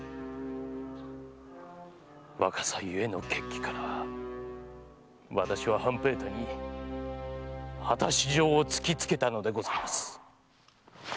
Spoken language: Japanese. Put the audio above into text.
若さゆえの血気から私は半平太に果たし状を突きつけたのです！